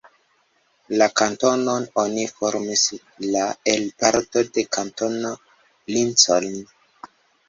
La kantonon oni formis la el parto de Kantono Lincoln.